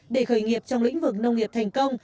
để khởi nghiệp trong lĩnh vực nông nghiệp thành công